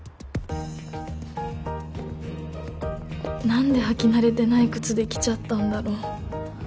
何で履き慣れてない靴で来ちゃったんだろ